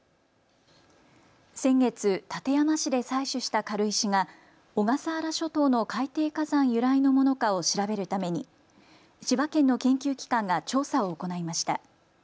先月、館山市で採取した軽石が小笠原諸島の海底火山由来のものかを調べるために千葉県の研究機関が調査を行いました。